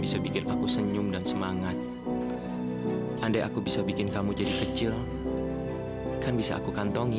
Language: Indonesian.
sampai jumpa di video selanjutnya